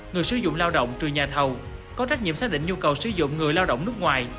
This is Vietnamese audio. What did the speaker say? người sử dụng lao động trừ nhà thầu có trách nhiệm xác định nhu cầu sử dụng người lao động nước ngoài